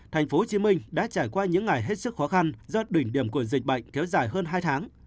tp hcm đã trải qua những ngày hết sức khó khăn do đỉnh điểm của dịch bệnh kéo dài hơn hai tháng